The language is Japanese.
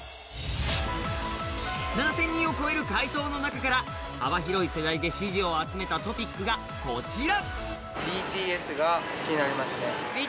７０００人を超える回答の中から、幅広い世代で支持を集めたトピックがこちら。